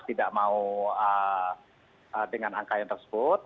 tidak mau dengan angka yang tersebut